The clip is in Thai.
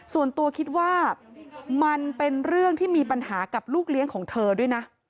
ส่วนตัวคิดว่ามันเป็นเรื่องที่มีปัญหากับลูกเลี้ยงของเธอด้วยนะ